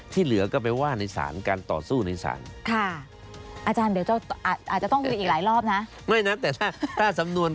เหลือก็ไปว่าในศาลการต่อสู้ในศาล